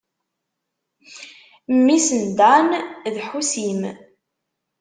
Mmi-s n Dan d Ḥucim.